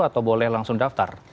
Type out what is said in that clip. atau boleh langsung daftar